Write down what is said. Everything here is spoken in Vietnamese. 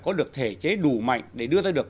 có được thể chế đủ mạnh để đưa ra được